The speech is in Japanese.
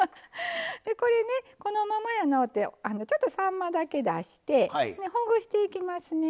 これねこのままやのうてちょっとさんまだけ出してほぐしていきますね。